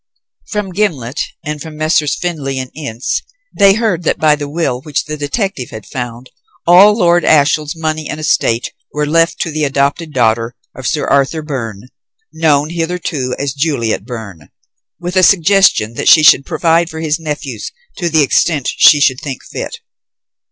From Gimblet, and from Messrs. Findlay & Ince, they heard that by the will which the detective had found all Lord Ashiel's money and estate were left to the adopted daughter of Sir Arthur Byrne, known hitherto as Juliet Byrne, with a suggestion that she should provide for his nephews to the extent she should think fit.